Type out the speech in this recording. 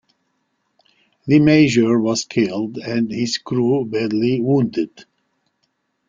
The major was killed and his crew badly wounded.